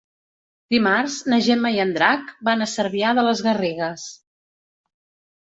Dimarts na Gemma i en Drac van a Cervià de les Garrigues.